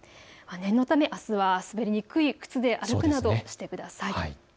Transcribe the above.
念のためあすは滑りにくい靴で歩くなどしてください。